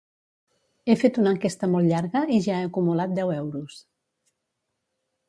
He fet una enquesta molt llarga i ja he acumulat deu euros